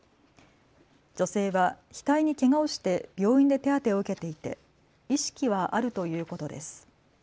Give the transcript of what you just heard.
女性は額にけがをして病院で手当てを受けていて意識はあるということです。